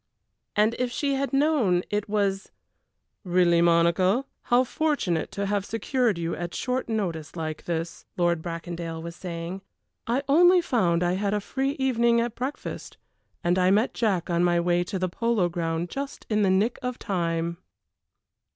And if she had known it was "Really, Monica, how fortunate to have secured you at short notice like this," Lord Bracondale was saying. "I only found I had a free evening at breakfast, and I met Jack on my way to the polo ground just in the nick of time."